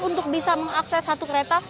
untuk bisa mengakses satu kereta